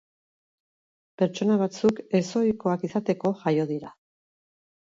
Pertsona batzuk ez ohikoak izateko jaio dira.